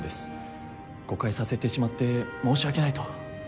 誤解させてしまって申し訳ないと。